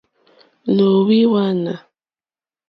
Nǒhwì hwánà.